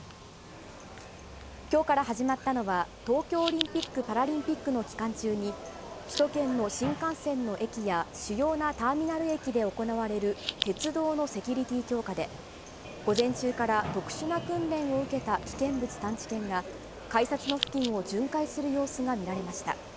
きょうから始まったのは、東京オリンピック・パラリンピックの期間中に、首都圏の新幹線の駅や主要なターミナル駅で行われる鉄道のセキュリティー強化で、午前中から特殊な訓練を受けた危険物探知犬が、改札の付近を巡回する様子が見られました。